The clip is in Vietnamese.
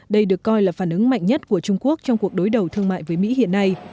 đây được coi là phản ứng mạnh nhất của trung quốc trong cuộc đối đầu thương mại với mỹ hiện nay